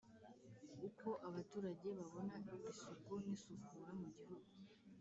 Uko abaturage babona isuku nisukura mugihugu